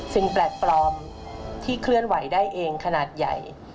แปลกปลอมที่เคลื่อนไหวได้เองขนาดใหญ่